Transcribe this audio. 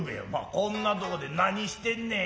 こんなとこで何してんねん」